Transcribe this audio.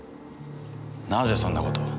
なぜそんな事を。